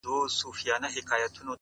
• اوس هيڅ خبري مه كوی يارانو ليـونيانـو؛